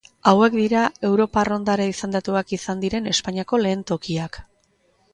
Hauek dira Europar Ondare izendatuak izan diren Espainiako lehen tokiak.